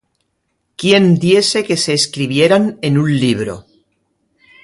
¬Quién diese que se escribieran en un libro!